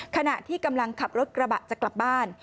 ขณะที่กำลังขับรถกระบะจะกลับบ้าน